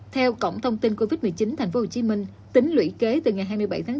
theo cổng thông tin covid một mươi chín tp hcm tính lũy kế từ ngày hai mươi bảy tháng bốn